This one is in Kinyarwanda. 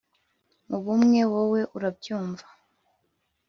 mu bumwe wowe urabyumva